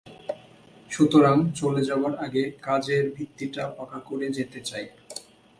সুতরাং চলে যাবার আগে কাজের ভিত্তিটা পাকা করে যেতে চাই।